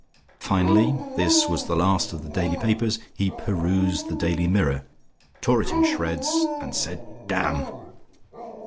Finally (this was the last of the daily papers) he perused "The Daily Mirror," tore it in shreds, and said "Damn."